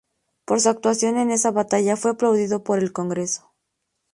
Por su actuación en esa batalla fue aplaudido por el congreso.